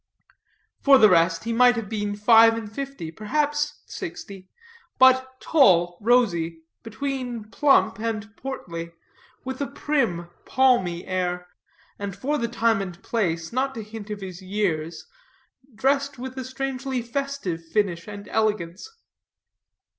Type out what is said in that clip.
For the rest, he might have been five and fifty, perhaps sixty, but tall, rosy, between plump and portly, with a primy, palmy air, and for the time and place, not to hint of his years, dressed with a strangely festive finish and elegance.